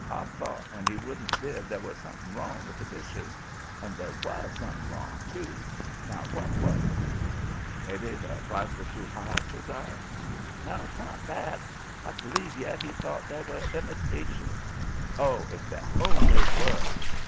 "I thought when he wouldn't bid there was something wrong with the dishes. And there WAS something wrong, too. Now what was it?" "Maybe the price was too high," says I. "No, 'twa'n't that. I b'lieve yet he thought they were imitations. Oh, if they only were!"